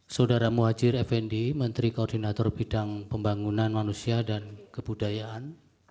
saudara muhajir effendi menteri koordinator bidang pembangunan manusia dan kebudayaan